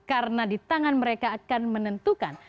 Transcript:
karena di tangan mereka akan menentukan